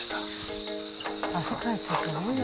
汗かいてすごいな。